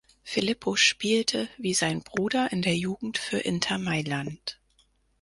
Filippo spielte, wie sein Bruder, in der Jugend für Inter Mailand.